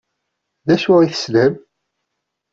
D acu i tessnem?